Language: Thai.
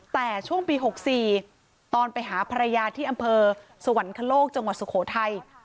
แต่ช่วงปี๖๔ตอนไปหาภรรยาที่อำเภอสวรรคโลกจังหวัดสุโขทัย